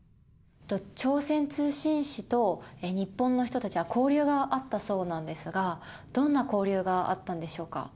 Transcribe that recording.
朝鮮通信使と日本の人たちは交流があったそうなんですがどんな交流があったんでしょうか。